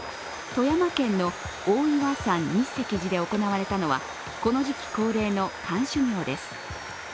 富山県の大岩山日石寺で行われたのはこの時期恒例の寒修行です。